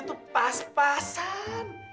wajah tuh pas pasan